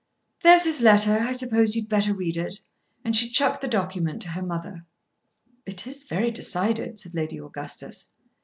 "There's his letter. I suppose you had better read it." And she chucked the document to her mother. "It is very decided," said Lady Augustus.